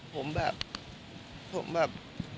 ผมแบบ